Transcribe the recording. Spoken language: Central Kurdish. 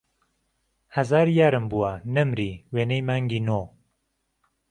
ههزار یارم بووه، نهمری، وێنهی مانگی نۆ